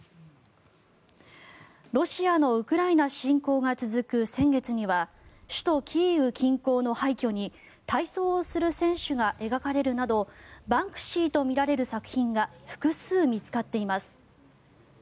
ロシアのウクライナ侵攻が続く先月には首都キーウ近郊の廃虚に体操をする選手が描かれるなどバンクシーとみられる作品が複数見つかっています。